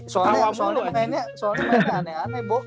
soalnya mainnya aneh aneh bo